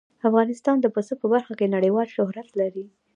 افغانستان د پسه په برخه کې نړیوال شهرت لري.